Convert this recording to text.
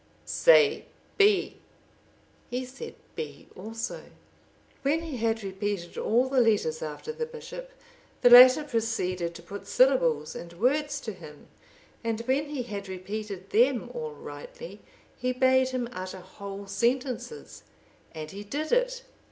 "Say B;" he said B also. When he had repeated all the letters after the bishop, the latter proceeded to put syllables and words to him, and when he had repeated them all rightly he bade him utter whole sentences, and he did it.